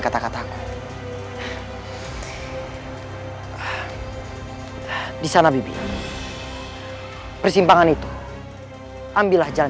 untuk mencapai jalan yang menuju pajajaran